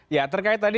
ya terkait tadi